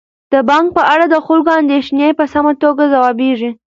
د بانک په اړه د خلکو اندیښنې په سمه توګه ځوابیږي.